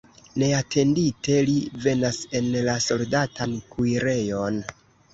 Neatendite li venas en la soldatan kuirejon.